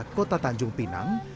kota tanjung pinang